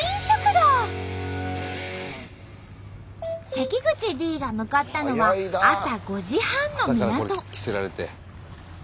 関口Ｄが向かったのは朝５時半の港。